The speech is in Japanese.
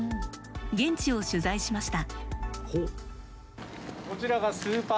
現地を取材しました。